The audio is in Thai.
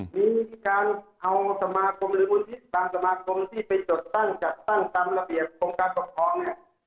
มีการเอาสมาคมหรือวุฒิสตามสมาคมที่ไปจดตั้งจัดตั้งตามระเบียบตรงการกดพร้อม